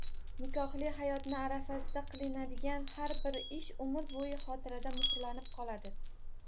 Nikohli hayotni arafasida qilinadigan har bir ish umr bo‘yi xotirada muhrlanib qoladi.